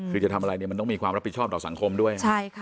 คือจะทำอะไรเนี่ยมันต้องมีความรับผิดชอบต่อสังคมด้วย